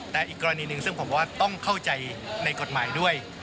แต่อีกกรณีหนึ่งซึ่งผมว่าต้องเข้าใจในกฎหมายด้วย